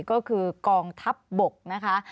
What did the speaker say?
ก็คือกองทัพบกนะคะ